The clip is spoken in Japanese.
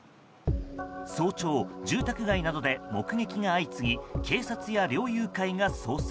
早朝、住宅街などで目撃が相次ぎ警察や猟友会が捜索。